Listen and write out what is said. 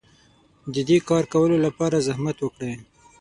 د دې کار کولو لپاره زحمت وکړئ.